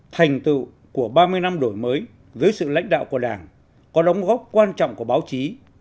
thành tựu của ba mươi năm đổi mới dưới sự lãnh đạo của đảng có đóng góp quan trọng của báo chí